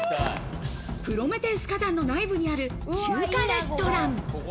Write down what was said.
プロメテウス火山の内部にある中華レストラン。